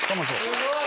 ・すごい！